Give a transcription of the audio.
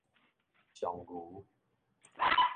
上虞